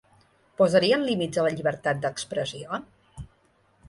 Posarien límits a la llibertat d’expressió?